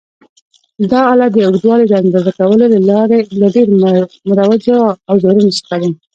دا آله د اوږدوالي د اندازه کولو له ډېرو مروجو اوزارونو څخه ده.